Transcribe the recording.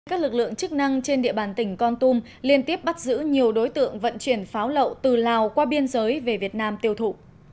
các lực lượng chức năng trên địa bàn tỉnh con tum liên tiếp bắt giữ nhiều đối tượng vận chuyển pháo lậu từ lào qua biên giới về việt nam tiêu thụ